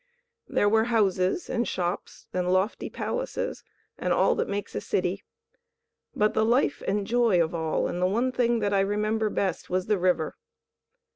There were houses and shops and lofty palaces and all that makes a city, but the life and joy of all, and the one thing that I remember best, was the river.